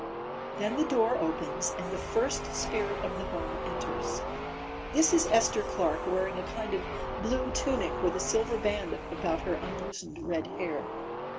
Then the door opens and the first spirit of the home enters. This is Esther Clark wearing a kind of blue tunic with a silver band about her unloosened red hair.